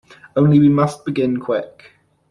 Only we must begin quick.